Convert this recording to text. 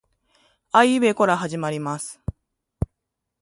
あいうえおから始まります